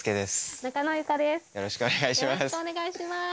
よろしくお願いします。